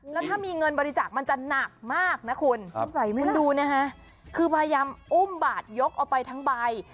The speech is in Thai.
แล้วถ้ามีเงินบริจาคมันจะหนักมากนะคุณคุณดูนะฮะคือพยายามอุ้มบาทยกเอาไปทั้งใบ